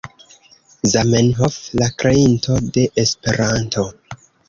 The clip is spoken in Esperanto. Zamenhof, la kreinto de Esperanto.